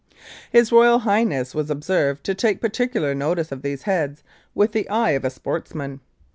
Lethbridge and Macleod His Royal Highness was observed to take particular notice of these heads with the eye of a sportsman.